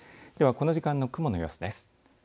この時間の雲の様子です。